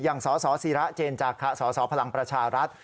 แห่งส่อศิระเจรจักรส่อพลังประชารัฐ